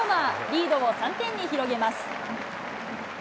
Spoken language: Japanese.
リードを３点に広げます。